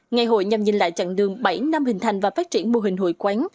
ngày hội nhằm nhìn lại chặng đường bảy năm hình thành và phát triển mô hình hội quán